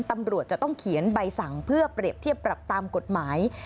ตำรวจจะต้องเขียนใบสั่งเพื่อเปรียบเทียบปรับตามกฎหมาย